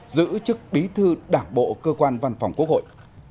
giữ chức bí thư đảng bộ cơ quan văn phòng quốc hội